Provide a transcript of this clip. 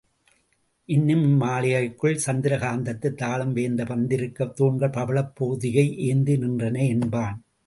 இன்னும் இம்மாளிகைகள் சந்திர காந்தத்து தாளம் வேய்ந்து, பந்திருக்க தூண்கள் பவளப் போதிகை ஏந்தி நின்றன என்பான்.